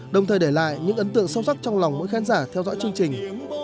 đồng thời để lại những ấn tượng sâu sắc trong lòng mỗi khán giả theo dõi chương trình